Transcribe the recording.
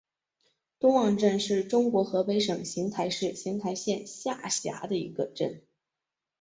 东汪镇是中国河北省邢台市邢台县下辖的一个镇。